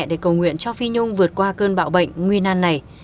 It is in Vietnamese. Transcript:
để cầu nguyện cho phi nhung vượt qua cơn bão bệnh nguy nan này